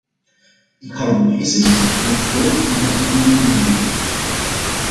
Ik houd me bezig met een groot aantal van hun problemen.